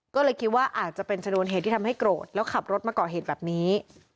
ก็เลยคิดว่าอาจจะเป็นชนวนเหตุที่ทำให้โกรธแล้วขับรถมาก่อเหตุแบบนี้